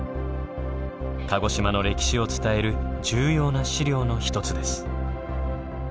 鹿児島の歴史を伝える重要な資料の一つです。